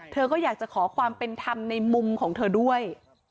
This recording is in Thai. เธอก็อยากจะขอความเป็นธรรมในมุมของเธอด้วย